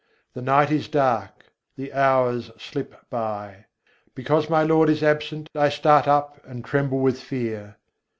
The night is dark; the hours slip by. Because my Lord is absent, I start up and tremble with fear.